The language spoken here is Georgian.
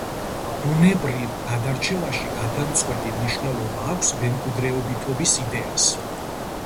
ბუნებრივ გადარჩევაში გადამწყვეტი მნიშვნელობა აქვს მემკვიდრეობითობის იდეას.